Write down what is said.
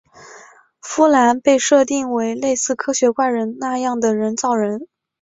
芙兰被设定为类似科学怪人那样的人造人。